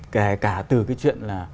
kể cả từ cái chuyện là